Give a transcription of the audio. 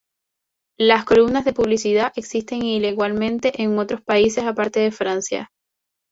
Las columnas de publicidad existen igualmente en otros países aparte de Francia.